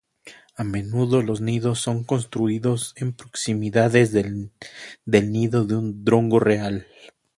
A menudo los nidos son construidos en proximidades del nido de un drongo real.